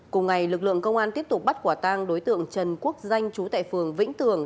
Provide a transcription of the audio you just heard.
cùng ngày lực lượng công an tiếp tục bắt quả tang đối tượng trần quốc danh chú tại phường vĩnh tường